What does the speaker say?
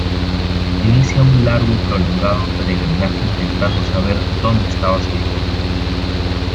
Inicia un largo y prolongado peregrinaje intentando saber dónde estaba su hijo.